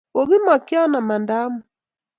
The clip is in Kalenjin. kokimekgion amanda omut